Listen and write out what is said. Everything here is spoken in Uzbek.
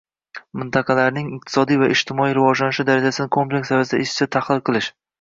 mintaqalarning iqtisodiy va ijtimoiy rivojlanishi darajasini kompleks ravishda izchil tahlil qilish